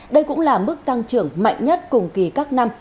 đây cũng là mức tăng trưởng mạnh nhất cùng kỳ các năm